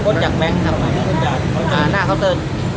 ป้นจากแบงค์หน้าเคาเตอร์